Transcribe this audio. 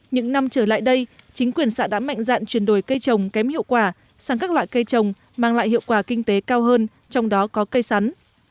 những năm trở lại đây chính quyền xã đã mạnh dạn chuyển đổi cây trồng kém hiệu quả sang các loại cây trồng mang lại hiệu quả kinh tế cao hơn trong đó có cây sắn